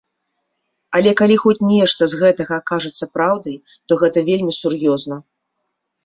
Але калі хоць нешта з гэтага акажацца праўдай, то гэта вельмі сур'ёзна.